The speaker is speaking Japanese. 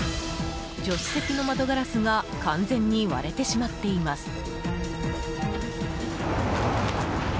助手席の窓ガラスが完全に割れてしまっています。